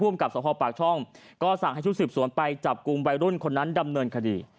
กับสภปากช่องก็สั่งให้ชุดสืบสวนไปจับกลุ่มวัยรุ่นคนนั้นดำเนินคดี